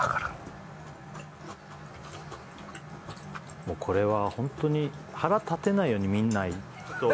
もうこれは本当に腹立てないように見ないと。